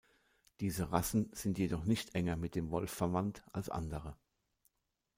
Diese Rassen sind jedoch nicht enger mit dem Wolf verwandt als andere.